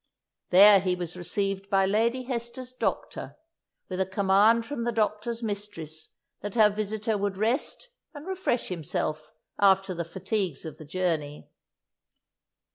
There he was received by Lady Hester's doctor, with a command from the doctor's mistress that her visitor would rest and refresh himself after the fatigues of the journey.